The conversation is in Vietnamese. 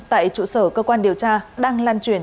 tại trụ sở cơ quan điều tra đang lan truyền